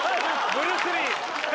ブルース・リー！